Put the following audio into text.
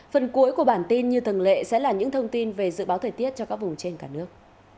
phần cuối của bản tin như thường lệ sẽ là những thông tin về dự báo thời tiết cho các vùng trên cả nước